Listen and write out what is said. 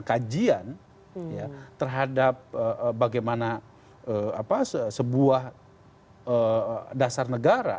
kajian terhadap bagaimana sebuah dasar negara